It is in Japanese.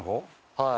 はい。